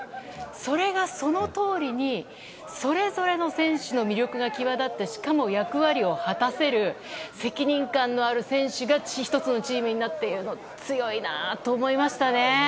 それがそのとおりにそれぞれの選手の魅力が際立って、しかも役割を果たせる責任感のある選手が１つのチームになって強いなと思いましたね。